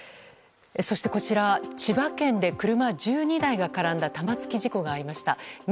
そしてこちら千葉県で車１２台が絡んだ玉突き事故がありました。